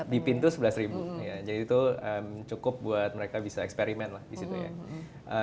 di pintu sebelas ribu jadi itu cukup buat mereka bisa eksperimen lah di situ ya